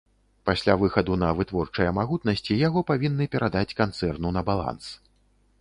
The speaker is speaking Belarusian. Пасля выхаду на вытворчыя магутнасці яго павінны перадаць канцэрну на баланс.